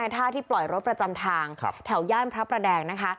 ท่าที่ปล่อยรถประจำทางแถวย่านพระประแดงนะคะ